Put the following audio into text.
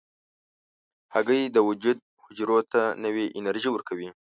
هګۍ د وجود حجرو ته نوې انرژي ورکوي.